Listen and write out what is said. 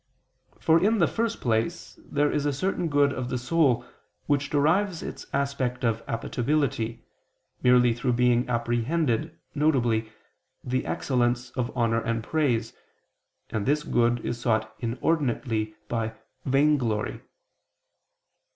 For, in the first place, there is a certain good of the soul, which derives its aspect of appetibility, merely through being apprehended, viz. the excellence of honor and praise, and this good is sought inordinately by _vainglory.